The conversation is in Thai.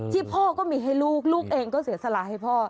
พ่อก็มีให้ลูกลูกเองก็เสียสละให้พ่อ